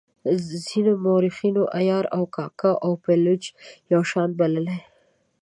ځینو مورخینو عیار او کاکه او پایلوچ یو شان بللي.